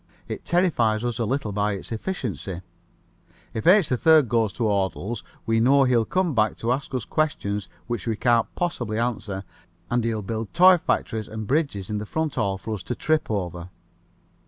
It terrifies us a little by its efficiency. If H. 3rd goes to Audle's we know he'll come home to ask us questions which we can't possibly answer and he'll build toy factories and bridges in the front hall for us to trip over.